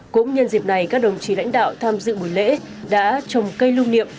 cũng nhân dịp này các đồng chí lãnh đạo tham dự buổi lễ đã trồng cây lưu niệm